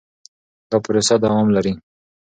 دا پروسه دوام لري.